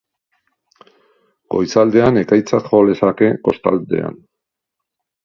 Goizaldean ekaitzak jo lezake kostaldean.